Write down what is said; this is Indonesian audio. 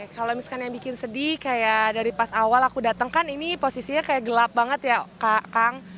kalau misalnya yang bikin sedih kayak dari pas awal aku datang kan ini posisinya kayak gelap banget ya kak kang